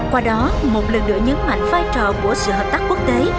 qua đó một lần nữa nhấn mạnh vai trò của sự hợp tác quốc tế